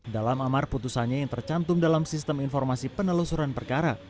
dalam amar putusannya yang tercantum dalam sistem informasi penelusuran perkara